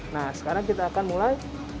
nah sekarang kita akan mulai